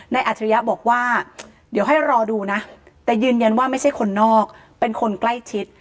อัจฉริยะบอกว่าเดี๋ยวให้รอดูนะแต่ยืนยันว่าไม่ใช่คนนอกเป็นคนใกล้ชิด